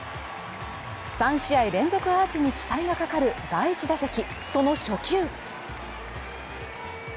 ３試合連続アーチに期待がかかる第１打席、その初球。